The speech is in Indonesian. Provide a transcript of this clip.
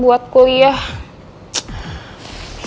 lo pake dulu helmnya ya